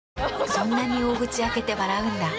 そんなに大口開けて笑うんだ。